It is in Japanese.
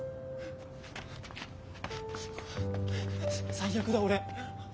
最悪だ俺。